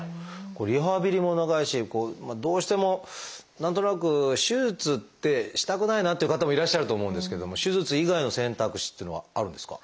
これリハビリも長いしどうしても何となく手術ってしたくないなっていう方もいらっしゃると思うんですけれども手術以外の選択肢っていうのはあるんですか？